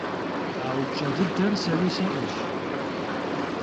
А упщӏэ дыдэр сэри сиӏэщ.